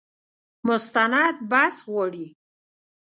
مستند بحث غواړي.